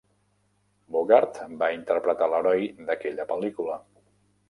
Bogart va interpretar l'heroi d'aquella pel·lícula.